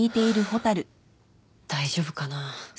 大丈夫かな。